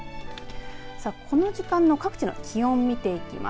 この時間の各地の気温見ていきます。